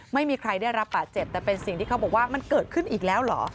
ไม่มีใครได้รับบาดเจ็บแต่เป็นสิ่งที่เขาบอกว่ามันเกิดขึ้นอีกแล้วเหรอ